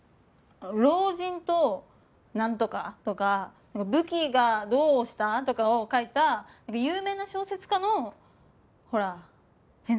「老人となんとか」とか「武器がどうした」とかを書いた有名な小説家のほらえっ